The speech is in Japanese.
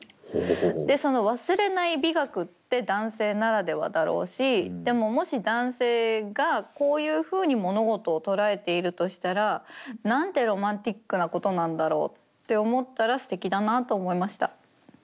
でその忘れない美学って男性ならではだろうしでももし男性がこういうふうに物事を捉えているとしたらなんてロマンティックなことなんだろうって思ったらすてきだなと思いました。